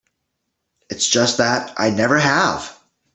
It's just that I never have.